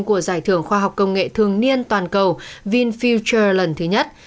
của giải thưởng khoa học công nghệ thường niên toàn cầu vinfielder lần thứ nhất